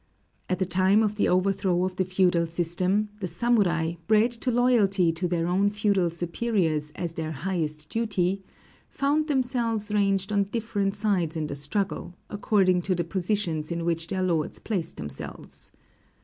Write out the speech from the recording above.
At the time of the overthrow of the feudal system, the samurai, bred to loyalty to their own feudal superiors as their highest duty, found themselves ranged on different sides in the struggle, according to the positions in which their lords placed themselves.